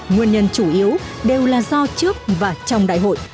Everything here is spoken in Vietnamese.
nguyên nhân chủ yếu đều là do trước và trong đại hội